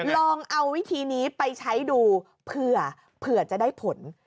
ลองเอาวิธีนี้ไปใช้ดูเผื่อจะได้ผล